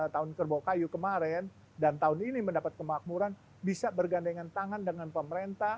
tahun kerbau kayu kemarin dan tahun ini mendapat kemakmuran bisa bergandengan tangan dengan pemerintah